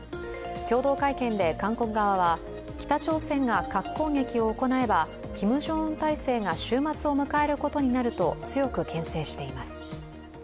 共同会見で韓国側は北朝鮮が核攻撃を行えばキム・ジョンウン体制が終末を迎えることになると強くけん制しています。